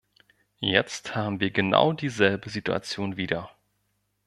Jetzt haben wir genau dieselbe Situation wieder.